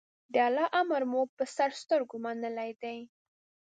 د الله امر مو په سر سترګو منلی دی.